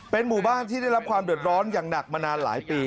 หมู่บ้านที่ได้รับความเดือดร้อนอย่างหนักมานานหลายปี